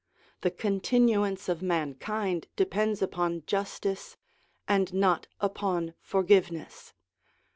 The continuance of mankind depends upon justice and not upon forgiveness.